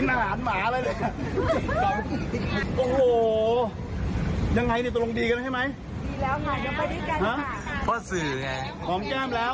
โอ้โหยังไงเนี้ยตรงดีกันใช่ไหมดีแล้วไงหอมแก้มแล้ว